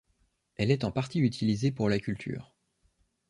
Elle est en partie utilisée pour la culture.